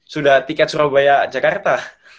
sudah tiket surabaya jakarta